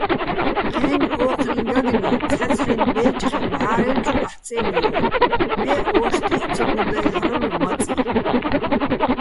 ჴენო̆ ო́ჴრიჼ გაგნი ცჰ̦აცჰ̦აჲნო̆ ბე́ჯხიჼ მჵა́რელჩვ აჰ̦ო̆ წემჲო́რ, მე́ ო́შტიჸ ცო გუდა́ჲლ'რალო̆ მაწი.